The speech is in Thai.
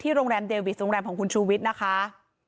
โรงแรมเดวิสโรงแรมของคุณชูวิทย์นะคะ